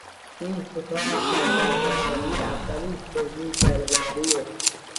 این کتاب دربردارنده اولین توضیح درباره